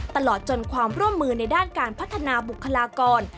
ตลอดจนความร่วมมือในด้านการพัฒนาบุคลากร